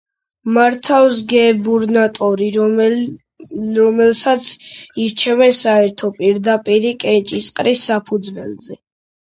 მართავს გუბერნატორი, რომელსაც ირჩევენ საერთო პირდაპირი კენჭისყრის საფუძველზე.